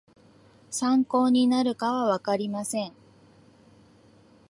参考になるかはわかりません